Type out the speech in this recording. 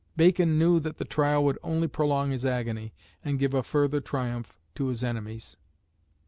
Bacon knew that the trial would only prolong his agony, and give a further triumph to his enemies.